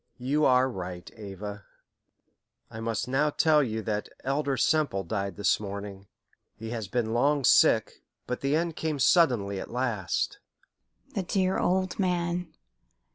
"You are right, Ava. I must now tell you that Elder Semple died this morning. He has been long sick, but the end came suddenly at last." "The dear old man!